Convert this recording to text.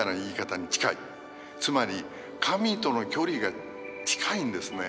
つまり神との距離が近いんですね。